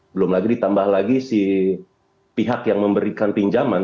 belum lagi ditambah lagi si pihak yang memberikan pinjaman